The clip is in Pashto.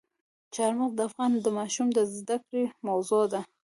چار مغز د افغان ماشومانو د زده کړې موضوع ده.